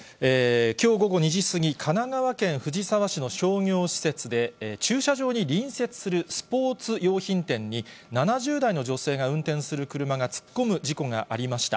きょう午後２時過ぎ、神奈川県藤沢市の商業施設で、駐車場に隣接するスポーツ用品店に、７０代の女性が運転する車が突っ込む事故がありました。